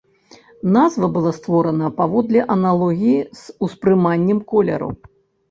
Назва была створана паводле аналогіі з успрыманнем колеру.